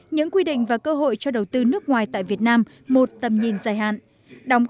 những quy định và cơ hội cho đầu tư nước ngoài tại việt nam một tầm nhìn dài hạn